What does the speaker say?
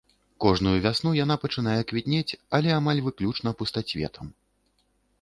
Кожную вясну яна пачынае квітнець, але амаль выключна пустацветам.